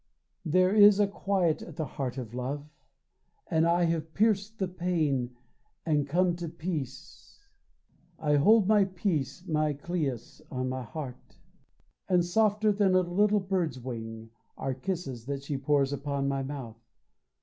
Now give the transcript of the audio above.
There is a quiet at the heart of love, And I have pierced the pain and come to peace I hold my peace, my Cleïs, on my heart; And softer than a little wild bird's wing Are kisses that she pours upon my mouth.